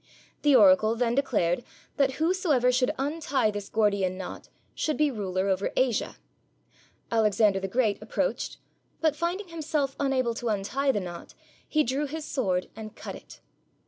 The oracle then declared that whosoever should untie this Gordian knot should be ruler over Asia. Alexander the Great approached, but, finding himself unable to untie the knot, he drew his sword and cut it.